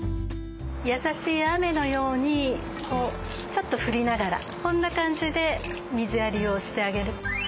優しい雨のようにちょっと振りながらこんな感じで水やりをしてあげる。